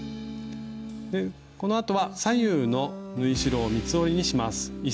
このあとは左右の縫い代を三つ折りにします。